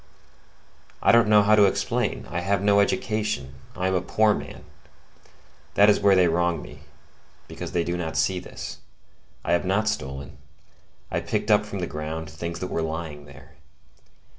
I don't know how to explain; I have no education; I am a poor man; that is where they wrong me, because they do not see this. I have not stolen; I picked up from the ground things that were lying there.